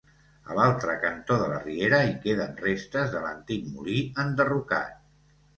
A l'altre cantó de la riera hi queden restes de l'antic molí enderrocat.